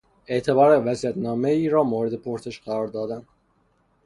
اعتبار وصیت نامهای را مورد پرسش قرار دادن